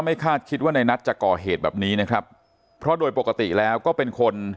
คาดคิดว่าในนัทจะก่อเหตุแบบนี้นะครับเพราะโดยปกติแล้วก็เป็นคน